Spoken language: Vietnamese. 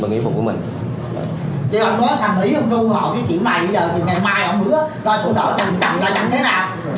bây giờ thì ngày mai ông hứa ra sổ đỏ chằm chằm ra chằm thế nào